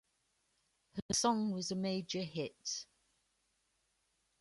Her song was a major hit.